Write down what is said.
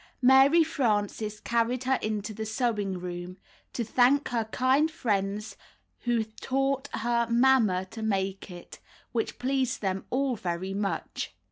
Mary Frances carried her into the sewing room, 'Ho thank her kind friends who taught her mamma to make it," which pleased them all very much.